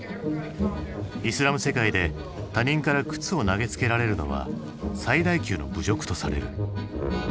イスラム世界で他人から靴を投げつけられるのは最大級の侮辱とされる。